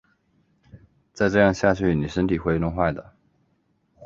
再这样下去妳身体会弄坏的